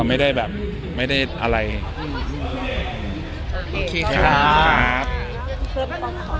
ขอบคุณครับ